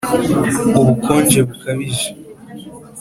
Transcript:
ubukonje bukabije